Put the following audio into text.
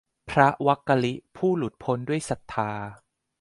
พระวักกลิ ผู้หลุดพ้นด้วยศรัทธา